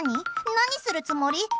何するつもり？